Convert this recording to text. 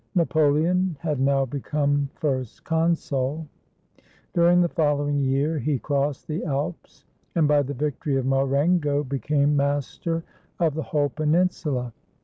Napoleon had now become First Consul. During the following year he crossed the Alps and by the victory of Marengo became master of the whole peninsula.